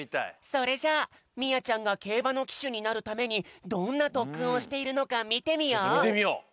それじゃあみあちゃんがけいばのきしゅになるためにどんなとっくんをしているのかみてみよう。